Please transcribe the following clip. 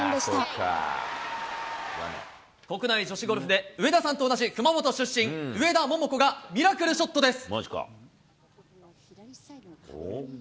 国内女子ゴルフで上田さんと同じ熊本出身、上田桃子がミラクルショットです。